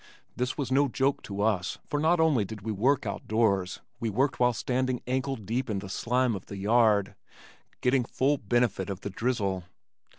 This was no joke to us, for not only did we work out doors, we worked while standing ankle deep in the slime of the yard, getting full benefit of the drizzle.